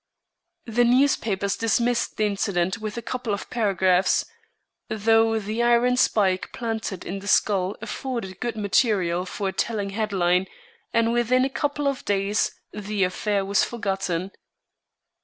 The newspapers dismissed the incident with a couple of paragraphs, though the iron spike planted in the skull afforded good material for a telling headline, and within a couple of days the affair was forgotten.